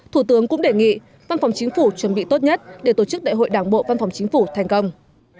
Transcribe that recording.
thủ tướng cũng đề nghị văn phòng chính phủ chuẩn bị tốt nhất để tổ chức đại hội đảng bộ văn phòng chính phủ thành công